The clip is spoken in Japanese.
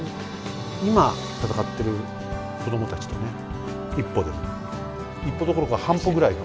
今戦ってる子供たちとね一歩でも一歩どころか半歩ぐらい。